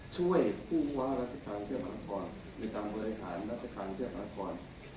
ช่วยผู้ว่ารัฐการเที่ยวบรรณครบันตรีในการไว้หารัฐการเที่ยวบรรณครบันตรี